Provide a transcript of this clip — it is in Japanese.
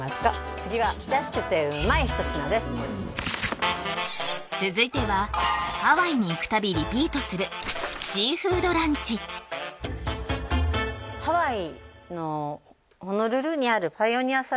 次は安くてうまい一品です続いてはハワイに行くたびリピートするシーフードランチというお店なんですけどハワイ